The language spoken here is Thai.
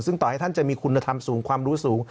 ซึ่งต่อให้ท่านจะมีคุณธรรมสูงความรู้สูง